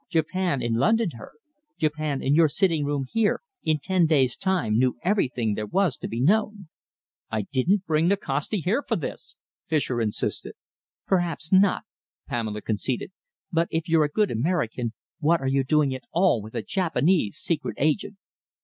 Japan in London heard. Japan in your sitting room here, in ten days' time, knew everything there was to be known." "I didn't bring Nikasti here for this," Fischer insisted. "Perhaps not," Pamela conceded, "but if you're a good American, what are you doing at all with a Japanese secret agent?"